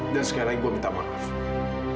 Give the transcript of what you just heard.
dan sekarang gue minta maaf